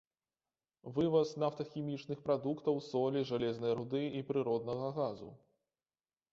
Вываз нафтахімічных прадуктаў, солі, жалезнай руды і прыроднага газу.